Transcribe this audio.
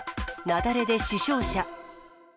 雪崩で死傷者。